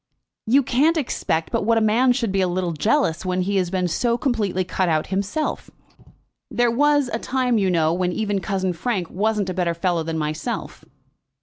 "You can't expect but what a man should be a little jealous, when he has been so completely cut out himself. There was a time, you know, when even cousin Frank wasn't a better fellow than myself."